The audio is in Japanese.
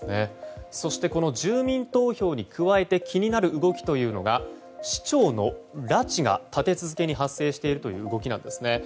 そしてこの住民投票に加えて気になる動きというのが市長の拉致が立て続けに発生しているという動きです。